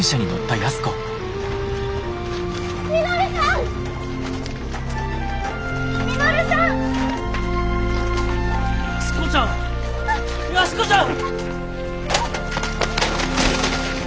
安子ちゃん！